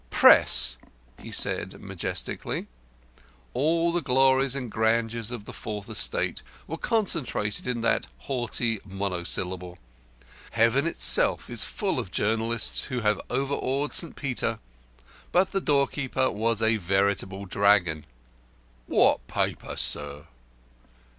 "Press," he said majestically. All the glories and grandeurs of the Fourth Estate were concentrated in that haughty monosyllable. Heaven itself is full of journalists who have overawed St. Peter. But the doorkeeper was a veritable dragon. "What paper, sir?"